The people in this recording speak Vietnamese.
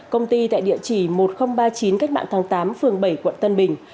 công ty tại địa chỉ một nghìn ba mươi chín cách mạng tháng tám phường bảy quận tân bình